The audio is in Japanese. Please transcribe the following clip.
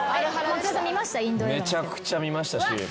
めちゃくちゃ見ましたし。